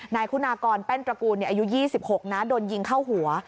นายคุณากรแป้นตระกูลอายุ๒๖นะโดนยิงเข้าหัว